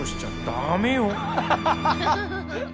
ダメよ。